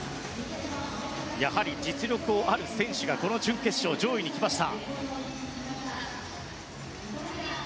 やはり実力ある選手がこの準決勝、上位に来ました。